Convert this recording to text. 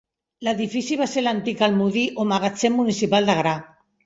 L'edifici va ser l'antic almodí o magatzem municipal de gra.